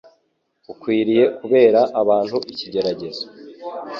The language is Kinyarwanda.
ukwiriye kubera abantu ikigeragezo.